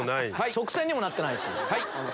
直線にもなってないし。